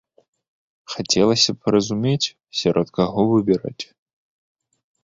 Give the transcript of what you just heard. Хацелася б разумець, сярод каго выбіраць.